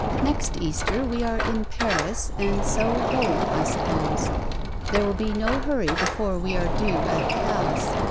Next Easter we are in Paris; and so home, I suppose. There will be no hurry before we are due at Cowes.